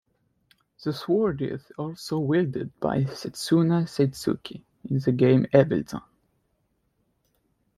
The sword is also wielded by Setsuna Saizuki in the game Evil Zone.